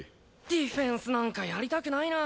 ディフェンスなんかやりたくないな。